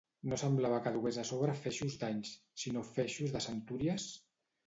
No semblava que dugués a sobre feixos d'anys, sinó feixos de centúries…